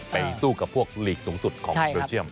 ไปสู้กับพวกหลีกสูงสุดของเบลเยี่ยม